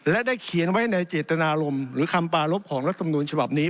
และได้เขียนไว้ในเจตนารมณ์หรือคำปารพของรัฐมนุนฉบับนี้